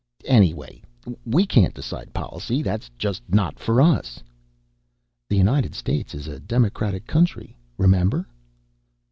"Anyway, we can't decide policy. That's just not for us." "The United States is a democratic country remember?"